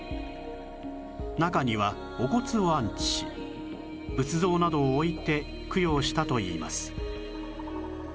中にはお骨を安置し仏像などを置いて供養したといいます